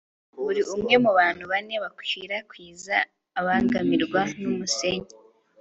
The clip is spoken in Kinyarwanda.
buri umwe mubantu bane bakwirakwiza, abangamiwe numusenyi